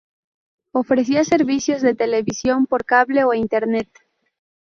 Ofrecía servicios de televisión por cable e Internet.